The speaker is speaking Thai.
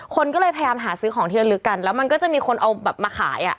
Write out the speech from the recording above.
คนก็เลยพยายามหาซื้อของที่ระลึกกันแล้วมันก็จะมีคนเอาแบบมาขายอ่ะ